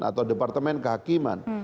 atau departemen kehakiman